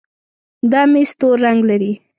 دا ميز تور رنګ لري.